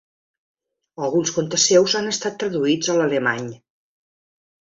Alguns contes seus han estat traduïts a l'alemany.